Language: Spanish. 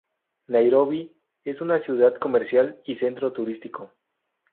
Nairobi: Es una ciudad comercial y centro turístico.